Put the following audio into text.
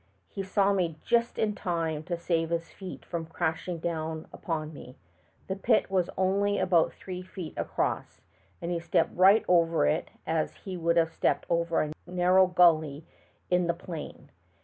He saw me just in time to save his feet from crashing down upon me ; the pit was only about three feet across, and he stepped right over it as he would have stepped over a narrow gully in the plain.